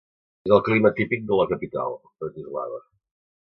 És el clima típic de la capital, Bratislava.